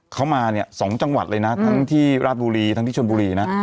เขามาเนี่ย๒จังหวัดเลยนะทั้งที่ราชบุรีทั้งที่ชนบุรีนะ